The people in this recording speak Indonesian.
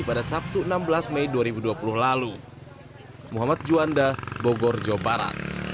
pada sabtu enam belas mei dua ribu dua puluh lalu